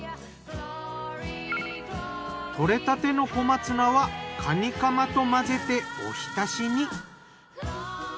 採れたての小松菜はカニカマと混ぜておひたしに。